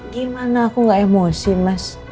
gimana aku gak emosi mas